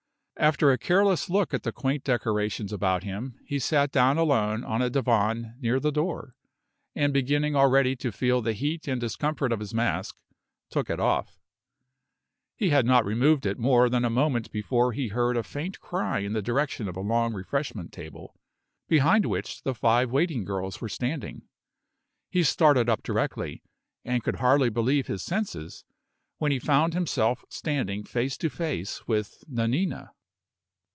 After a careless look at the quaint decorations about him, he sat down alone on a divan near the door, and beginning already to feel the heat and discomfort of his mask, took it off. He had not removed it more than a moment before he heard a faint cry in the direction of a long refreshment table, behind which the five waiting girls were standing. He started up directly, and could hardly believe his senses, when he found himself standing face to face with Nanina.